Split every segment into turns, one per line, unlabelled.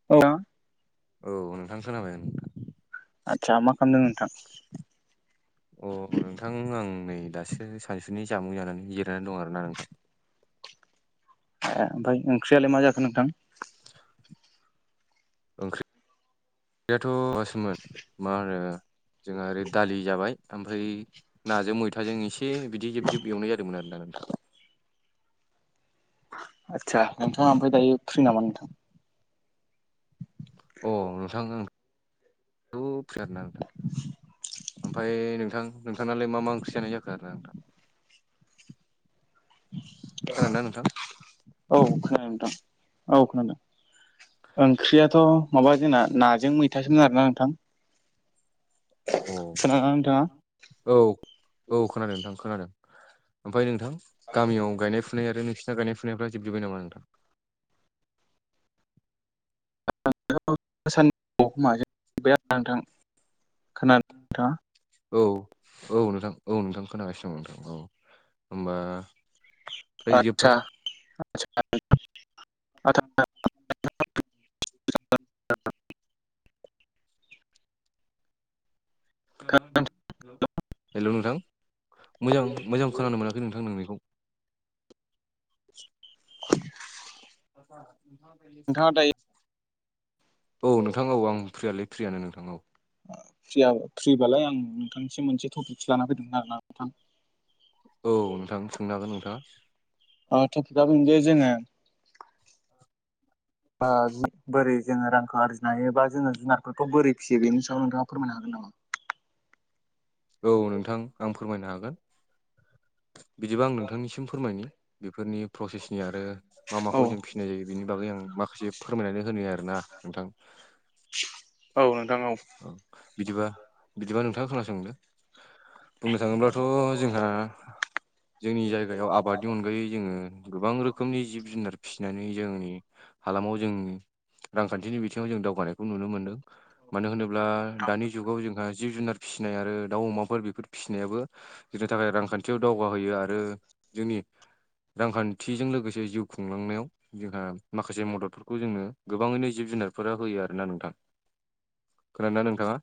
[unintelligible]
औ नोंथां खोनाबाय औ।
आतसा मा खालामदों नोंथां?
अह नोंथां आं नै दासो सानसुनि जामुं जानानै जिरायनानै दं आरोना नोंथां।
एह ओमफ्राय ओंख्रियालाय मा जाखो नोंथां?
[inaudible] ओंख्रि याथ' माबासोमोन मा होनो? जोंहा ओरै दालि जाबाय ओमफ्राय नाजों मैथाजों एसे बिदै जिब जिब एवनाय जादोंमोन आरोना नोंथां।
आतसा नोंथाङा ओमफ्राय दायो फ्रि नामा नोंथां?
अह नोंथां ओं आं फ्रियानो नोंथां। ओमफ्राय नोंथां नोंथांनालाय मा मा ओंख्रि जानाय जाखो आरोना नोंथां? खोनादोंना नोंथां
औ खोनादों नोंथां औ खोनादों। ओंख्रियाथ' माबा जोंना नाजों मैथाजों आरोना नोंथां।
औ
खोनादोंना नोंथाङा
औ औ खोनादों नोंथां खोनादों ओमफ्राय नोंथां गामियाव गायनाय फु नाय आरो नोंसिना गायनाय फुनायफ्रा जोबजोबबाय नामा नोंथां?
सान औ माजों गैया नोंथां खोनादों‌ थाङा।
औ औ नोंथां औ नोंथां खोनागासिनो दं नोंथां औ होमबा ओमफ्राय जोबथां
आतसा
[unintelligible] हेल' नोंथां मोजां-मोजां खोनानो मोनाखै नोंथां नोंनिखौ।
नोंथाङा दायो
[unintelligible] औ नोंथां औ आं फ्रियालाय फ्रियानो नोंथां औ
फ्रि फ्रिबालाय आं नोंथांनिसिम मोनसे टपिक लाना फैदोंमोन आरोना नोंथां
औ नोंथां सोंनो हागोन नोंथाङा।
अह टपिकआ जे जोङो बा बोरै जोङो रांखौ आरजिनो हायो बा जोङो जुनारफोरखौ बोरै फिसियो बेनि सायाव नोंथाङा फोरमायनो हागोन नामा?
औ नोंथां आं फोरमायनो हागोन बिदिबा आं नोंथांनिसिम फोरमायनि बेफोरनि प्रसेसनि आरो मा
औ
माखौ जों फिसिनाय जायो बेनि बागै आं माखासे फोरमायनानै होनि आरोना नोंथां।
औ नोंथां औ
औ बिदिबा बिदिबा नोंथाङा खोनासंदो। बुंनो थाङोब्लाथ' जोंहा जोंनि जायगायाव आबादनि अनगायै जोङो गोबां रोखोमनि जिब जुनार फिसिनानै जोंनि हालामाव जों रांखान्थिनि बिथिङाव जों दावगानायखौ नुनो मोनदों। मानो होनोब्ला दानि जुगाव जोंहा जिब जुनार फिसिनाय आरो दाउ अमाफोर बेफोर फिसिनायाबो जोंनि थाखाय रांखान्थियाव दावगाहोयो आरो जोंनि रांखान्थिजों लोगोसे जिउ खुंलांनायाव जोंहा माखासे मददफोरखौ जोंनो गोबाङैनो जिब जुनारफोरा होयो आरोना नोंथां। खोनादोंना नोंथाङा?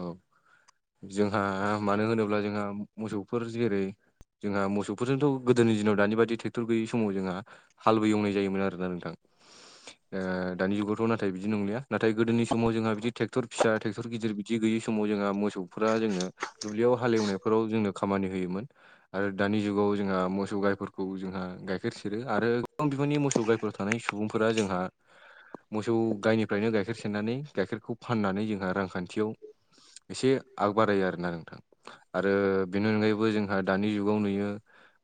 औ जोंहा मानो होनोब्ला जोंहा मोसौफोर जेरै जोंहा मोसौफोरजोंथ' गोदोनि दिनाव दानि बादि ट्रेक्टर गैयै समाव जोंहा हालबो एवनाय जायोमोन आरोना नोंथां। ओ दानि जुगावथ' नाथाय बिदि नंलिया नाथाय गोदोनि समाव जोंहा बिदि ट्रेक्टर फिसा ट्रेक्टर गिदिर बिदि गैयि समाव जोंहा मोसौफोरा जोंनो दुब्लियाव हालेवनायफोराव जोंनो खामानि होयोमोन। आरो दानि जुगाव जोंहा मोसौ गाइफोरखौ जोंहा गाइखेर सेरो आरो गोबां बिफांनि मोसौ गायफोर थानाय सुबुंफोरा जोंहा मोसौ गायनिफ्रायनो गाइखेर सेरनानै गाइखेरखौ फाननानै जोंहा रांखान्थियाव एसे आगबारायो आरोना नोंथां। आरो बेनि अनगायैबो जोंहा दानि जुगाव नुयो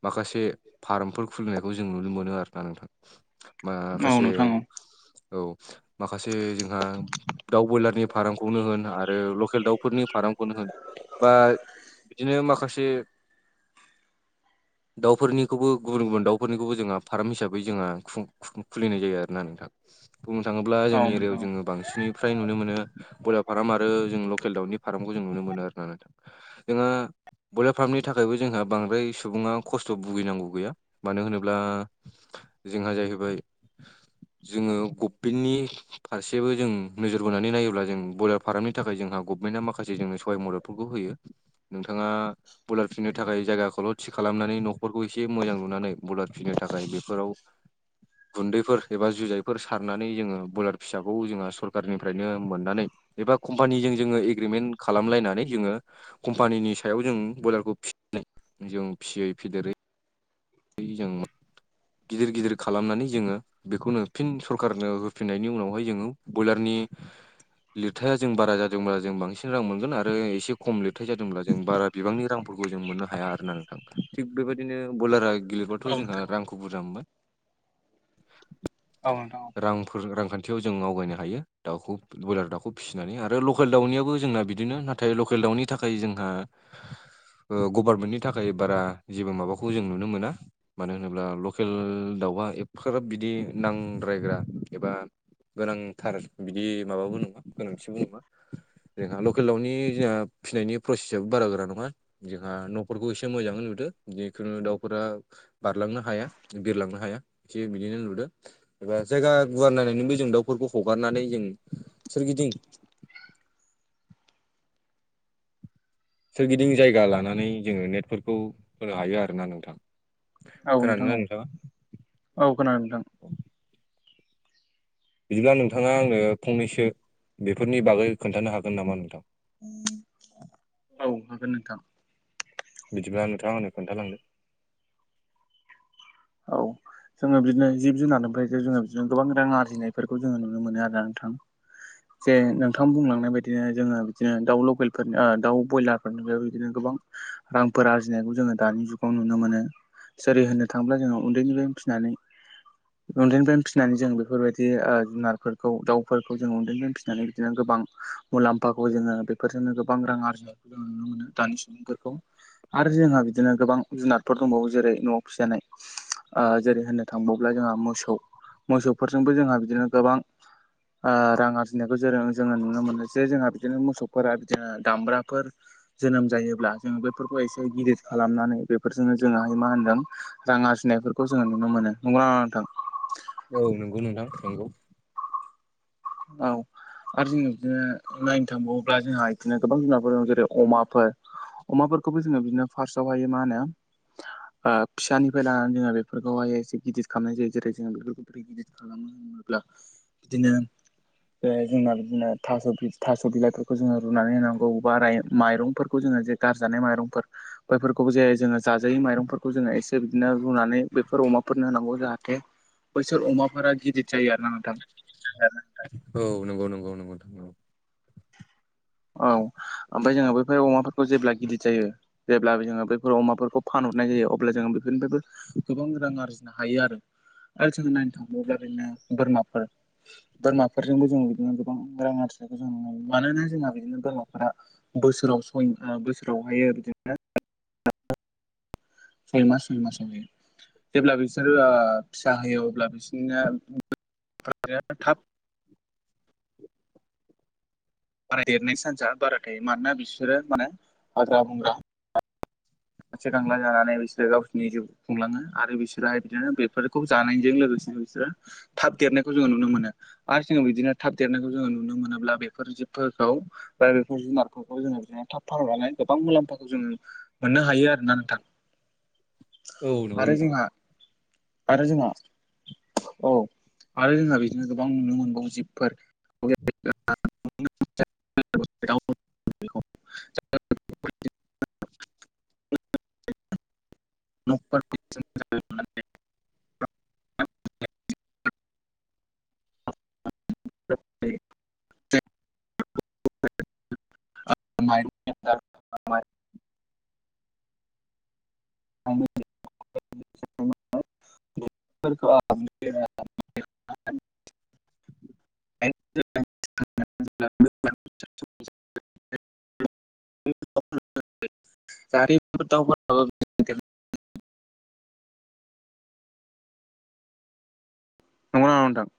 माखासे फार्मफोर खुलिनायखौ जों नुनो मोनो आरोना नोंथां।
औ
माखासे
नोंथां औ
औ माखासे जोंहा दाउ बयलारनि फार्मखौनो होन आरो आरो लकेल दाउफोरनि फारामखौनो होन, बा बिदिनो माखासे [inaudible] दाउफोरनिखौबो गुबुन गुबुन दाउफोरनिखौबो जोंहा फार्म हिसाबै जोंहा खुलिनाय जायो आरोना नोंथां। बुंनो थाङोब्ला
औ
जोंनि
नोंथां
एरियायाव
औ
जोङो बांसिननिफ्राय नुनो मोनो ब्रयलार फार्म आरो आरो जों लकेल दाउनि फार्मखौ जों नुनो मोनो आर नोंथां। जोंहा ब्रयलार फार्मनि थाखायबो जोंहा बांद्राय सुबुङा खस्थ' भुगिनांगौ गैया मानो होनोब्ला जोंहा जाहैबाय जोङो गभमेन्टनि फारसेबो जों नोजोर बोनानै नायोब्ला जों ब्रयलार फारामनि थाखाय जोंहा गभमेन्टआ माखासे जोंनो सहाय मददफोरखौ होयो नोंथाङा बुलार फिननो थाखाय जायगाखौल' थि खालामनानै न'खरखौ एसे मोजां नुनानै बुलार फिननो थाखाय बेफोराव [inaudible] गुन्दैफोर एबा जुजाइफोर सारनानै जोङो बयलार फिसाखौ जोंहा सरखारारनिफ्रायनो मोननानै एबा कम्पानिजों जोङो एग्रिमेन्ट खालामलायनानै जोङो कम्पानिनि सायाव जों बयलारखौ फिसिनाय जों फिसियै फेदेरै जों गिदिर गिदिर खालामनानै जोङो बेखौनो फिन सरखारारनो होफिननायनि उनावहाय जोङो बयलारनि लिरथाया जों बारा जादोंब्ला जों बांसिन रां मोनगोन आरो एसे खम लिरथाय जादोंब्ला जों बारा बिबांनि रां जों मोननो हाया आरोना नोंथां थि बेबायदिनो बलारा गेलेबाथ'
औ
जों
नोंथां औ
रांखौ [unintelligible]
औ
रांफोर रांखान्थियाव जों आवगायनो हायो दाउखौ ब्रयलार दाखौ फिसिनानै आरो लकेल दाउनियाबो जोंना बिदिनो नाथाय नाथाय लकेल दाउनि थाखाय जोंहा गभार्नमेन्टनि थाखाय बारा जेबो माबाखौ जों नुनो मोना मानो होनोब्ला लकेल दाउआ एफफ्राब बिदि नांद्रायग्रा एबा गोनांथार बिदि माबाबो नङा गोनांथिबो नङा। जोंहा लकेल दावउनि जोंहा फिसिनायनि प्रसेसआो बारा गोरा नङा जोंहा न'फोरखौ एसे मोजां नुदो जिखुनु दाउफोरा बारलांनो हाया बिरलांनो हाया एसे बिदिनो नुदों एबा जायगा गुवार नायनानैबो जों दाउफोरखौ हगारनानै जों सोरगिदिं सोरगिदिं जायगा लानानै जोङो नेटफोरखौ होनो हायो आरो ना नोंथां।
औ नोंथां
खोनादोंना
औ
नोंथाङा
औ औ खोनादों नोंथां।
बिदिब्ला नोंथाङा आंनो फंनैसो बेफोरनि बागै खोन्थानो हागोन नामा नोंथां?
औ हागोन नोंथां।
बिदिब्ला नोंथांङा आं खोन्थालांदो
औ जोङो बिदिनो जिब-जुनारनिफ्राय जोङो बिदिनो गोबां रां आरजिनायफोरखौ जोङो नुनो मोनो आरो ना नोंथां। जे नोंथां बुंलांनाय बायदिनो जोङो बिदिनो दाउ लकेलफोरनि दाउ ब्रयलारफोरनि बे बिदिनो गोबां रांफोर आरजिनायखौ जोङो दानि जुगाव नुनो मोनो जेरै होनो थां ब्ला जोङो उन्दैनिफ्रायनो फिसिनानै उन्दैनिफ्रायनो फिसिनानै जों बेफोरबायदि जुनारफोरखौ दाउफोरखौ जों उन्दैनिफ्रायनो फिसिनानै बिदिनो गोबां मुलाम्फाखौ जोङो बेफोरजोंनो गोबां रां आरजिनाय जों नुनो मोनो दानि सुबुंफोरखौ। आरो जोंहा बिदिनो गोबां जुनादफोर दंबावो जेरै न'आव फिसिजानाय। ओ जेरै होननो थांबाव्ला जोंहा मोसौ मोसौफोरजोंबो जोंहा बिदिनो गोबां ओ रां आरजिनायखौ जोङो नुनो मोनो जे जोंहा बिदिनो मोसौफोरा बिदिनो दामब्राफोर। जोनोम जायोब्ला जोङो बेफोरखौ एसे गिदिर खालामनानै बेफोरजोंनो जोाहाय मा होनदों रां आरजिनायफोरखौ जोङो नुनो मोनो नंगौ ना नङा नोंथां?
औ नंगौ नोंथां नंगौ।
औ। आरो जोङो बिदिनो नायनो थांबावोब्ला जोंहा बिदिनो गोबां जुनारफोर दं जेरै -अमाफोर अमाफोरखौबो जोङो बिदिनो फार्स्टआवहायो मा होनो ओ फिसानिफ्राय लानानै जोङो बे बेफोरखौहाय एसे गिदिर खालामनाय जायो जेरै जोङो बेफोरखौ बोरै गिदिर खालामो होनोब्ला बिदिनो जोंना बिदिनो थास' बि, थास' बिलाइफोरखौ जोङो रुनानै होनांगौ बा माइरंफोरखौ जोङो जे गारजानाय माइरंफोर बैफोरखौबो जे जोङो जाजायै माइरंफोरखौ जोङो एसे बिदिनो रुनानै बेफोर अमाफोरनो होनांगौ जाहाथे बैसोर अमाफोरा गिदिर जायो आरोना नोंथां।
औ नंगौ नंगौ नोथां नंगौ।
औ ओमफ्राय जोङो बैफोर अमाफोरखौ जेब्ला गिदिर जायो जेब्लाबो जोङो बेफोर अमाफोरखौ फानहरनाय जायो अब्ला जोङो बेफोरनिफ्रायबो गोबां रां आरजिनो हायो आरो आरो जोङो नायनो थांब्ला ओरैनो बोरमाफोर बोरमाफोरजोंबो जों बिदिनो गोबां रां आरिनायखौ जों नु मानोना जोंहा बिदिनो बोरमाफोरा बोसोराव सय बोसोरावहाय बिदिनो सयमास सयमासजोंनो जेब्ला बिसोरो फिसा होयो अब्ला बिसोरनिया थाब बाराय देरनाय सान्सआ बारा थायो मानोना बिसोरो माने हाग्रा-बंग्रा गांसो-गांला जानानै बिसोरो गावसिनि जिउखौ खुंलाङो आरो बिसोरहाय बिदिनो बेफोरखौ जानायजों लोगोसेनो बिसोरो थाब देरनायखौ जोङो नुनो मोनो। आरो जोङो बिदिनो थाब देरनायखौ जोङो नुनो मोनोब्ला बेफोर जिबफोरखौ बा बेफोर जुनारफोरखौ जोङो बिदिनो थाब फाहरनानै गोबां मुलाम्फाखौ जोङो मोननो हायो आरो ना नोंथां
औ नंगौ
आरो
नोंथां
जोंहा आरो जोंहा औ आरो जोंहा बिदिनो गोबां नुनो मोनबावो जिबफोर [unintelligible] [unintelligible] [unintelligible] [unintelligible] [unintelligible] [unintelligible] जाहाथे [unintelligible] नंगौना नंङा नोंथां